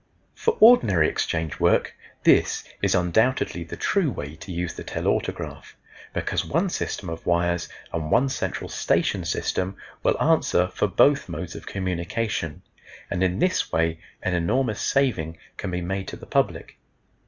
For ordinary exchange work this is undoubtedly the true way to use the telautograph, because one system of wires and one central station system will answer for both modes of communication, and in this way an enormous saving can be made to the public.